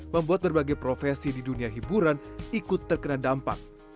membuat berbagai profesi di dunia hiburan ikut terkena dampak